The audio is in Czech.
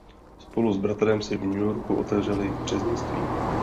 Spolu s bratrem si v New Yorku otevřeli řeznictví.